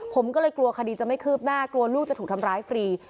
ผมก็เลยกลัวคดีจะไม่คืบหน้ากลัวลูกจะถูกทำร้ายฟรี